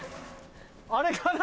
あれかな？